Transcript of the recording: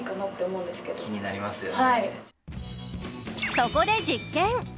そこで実験。